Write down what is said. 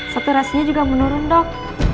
saturasinya juga menurun dok